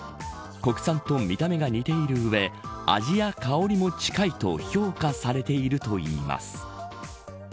国産と見た目が似ている上味や香りも近いと評価されているといいます。